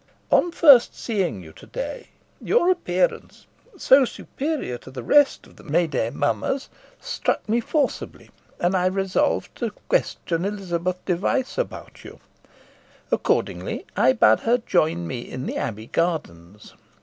On first seeing you to day, your appearance, so superior to the rest of the May day mummers, struck me forcibly, and I resolved to question Elizabeth Device about you. Accordingly I bade her join me in the Abbey gardens.